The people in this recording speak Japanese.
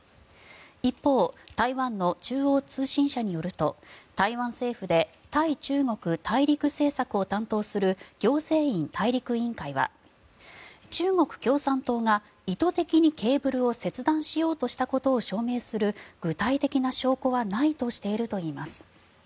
一方、台湾の中央通信社によると台湾政府で対中国大陸政策を担当する行政院大陸委員会は中国共産党が意図的にケーブルを切断しようとしたことを証明する具体的な証拠はないとしているといいます。